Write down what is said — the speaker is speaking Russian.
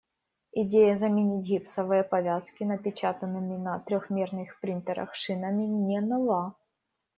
Идея заменить гипсовые повязки напечатанными на трёхмерных принтерах шинами не нова.